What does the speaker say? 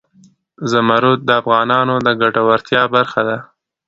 زمرد د افغانانو د ګټورتیا برخه ده.